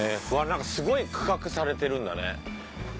うわなんかすごい区画されてるんだね。